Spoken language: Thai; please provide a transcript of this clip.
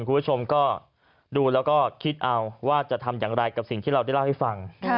คุณผู้ชมก็ดูแล้วก็คิดเอาว่าจะทำอย่างไรกับสิ่งที่เราได้เล่าให้ฟัง